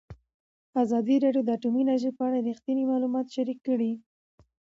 ازادي راډیو د اټومي انرژي په اړه رښتیني معلومات شریک کړي.